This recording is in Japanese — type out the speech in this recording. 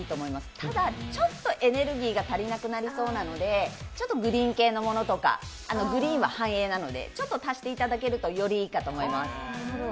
ただ、ちょっとエネルギーが足りなくなりそうなので、ちょっとグリーン系のものとか、グリーンは繁栄なのでちょっと足していただけるとよりいいかと思います。